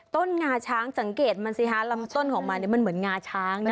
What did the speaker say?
งาช้างสังเกตมันสิฮะลำต้นของมันมันเหมือนงาช้างนะ